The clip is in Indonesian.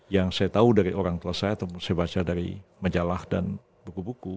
yang saya tahu dari orang tua saya atau saya baca dari majalah dan buku buku